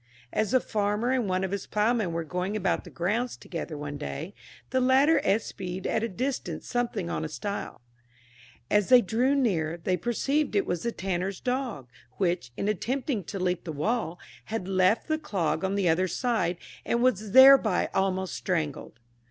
As the farmer and one of his ploughmen were going about the grounds together one day, the latter espied at a distance something on a stile. As they drew near, they perceived it was the tanner's dog, which, in attempting to leap the wall, had left the clog on the other side, and was thereby almost strangled.